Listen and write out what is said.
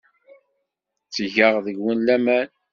Ttgeɣ deg-wen laman.